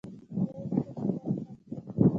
بيا يې لږه شېبه وخندل.